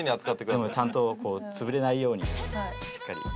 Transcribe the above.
ちゃんと潰れないようにしっかり。